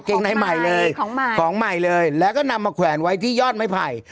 งในใหม่เลยของใหม่ของใหม่เลยแล้วก็นำมาแขวนไว้ที่ยอดไม้ไผ่